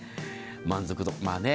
満足度。